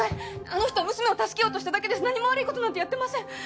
あの人は娘を助けようとしただけです何も悪いことなんてやってません